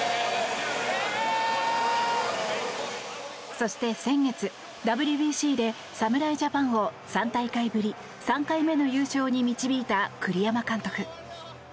そして先月、ＷＢＣで侍ジャパンを３大会ぶり３回目の優勝に導いた栗山監督。